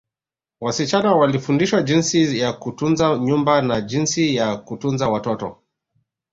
Wasichana walifundishwa jinsi ya kutunza nyumba na jinsi ya kutunza watoto